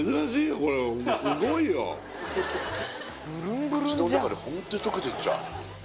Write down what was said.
これすごいよ口の中でホントに溶けてっちゃう